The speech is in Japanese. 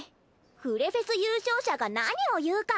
フレフェス優勝者が何を言うか！